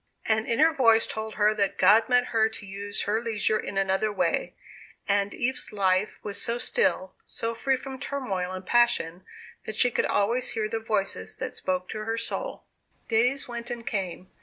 An inner voice told her that God meant her to use her leisure in another way; and Eve's life was so still, so free from turmoil and passion, that she could always hear the voices that spoke to her soul. Days went and came.